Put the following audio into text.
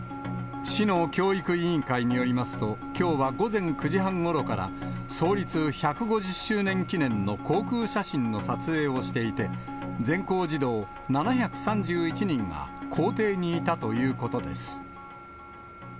市の教育委員会によりますと、きょうは午前９時半ごろから創立１５０周年記念の航空写真の撮影をしていて、全校児童７３１人が校庭にいたということです。